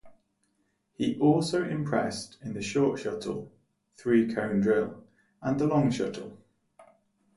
He also impressed in the short shuttle, the three-cone drill, and the long shuttle.